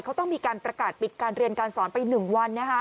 เขาต้องมีการประกาศปิดการเรียนการสอนไป๑วัน